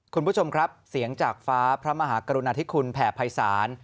คุณผู้ชมครับเสียงจากฟ้าพระมหากรุณาธิคุณแผ่ภัยศาล